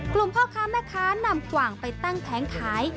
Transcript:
พ่อค้าแม่ค้านำกว่างไปตั้งแผงขาย